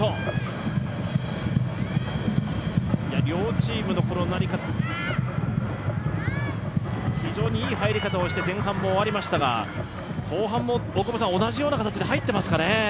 両チームのいい入り方をして前半も終わりましたが後半も同じような形で入ってますかね？